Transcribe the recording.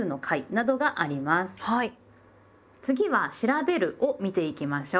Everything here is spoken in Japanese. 次は「『調』べる」を見ていきましょう。